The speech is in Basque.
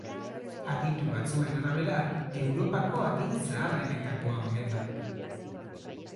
Aditu batzuen arabera Europako hagin zaharrenetakoa omen da.